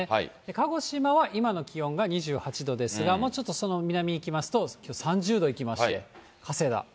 鹿児島は今の気温が２８度ですが、ちょっとその南に行きますと、３０度いきまして、加世田。